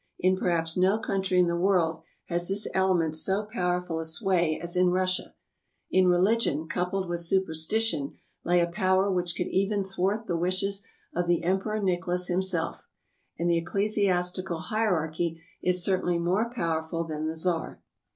In perhaps no country in the world has this element so powerful a sway as in Russia. In religion, coupled with superstition, lay a power which could even thwart the wishes of the Emperor Nicholas himself; and the ecclesiastical hierarchy is certainly more powerful than the Tsar.